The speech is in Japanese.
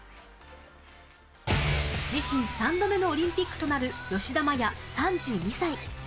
自身３度目のオリンピックとなる吉田麻也、３２歳。